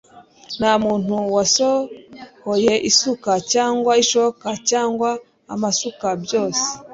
ntamuntu wasohoye isuka, cyangwa ishoka, cyangwa amasuka. byose